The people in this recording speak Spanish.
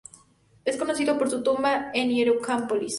Es conocido por su tumba en Hieracómpolis.